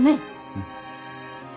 うん。